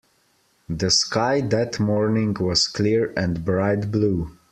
The sky that morning was clear and bright blue.